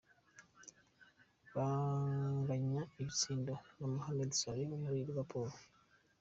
Banganya ibitsindo na Mohamed Salah wo muri Liverpool.